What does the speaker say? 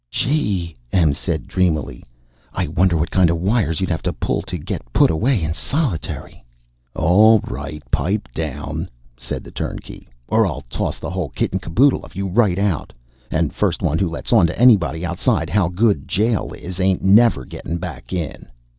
"Gee!" Em said dreamily. "I wonder what kind of wires you'd have to pull to get put away in solitary?" "All right, pipe down," said the turnkey, "or I'll toss the whole kit and caboodle of you right out. And first one who lets on to anybody outside how good jail is ain't never getting back in!"